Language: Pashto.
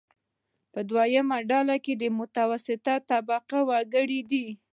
په دویمه ډله کې متوسطې طبقې وګړي دي.